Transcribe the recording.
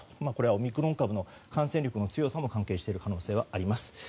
これはオミクロン株の感染力の強さも関係している可能性もあります。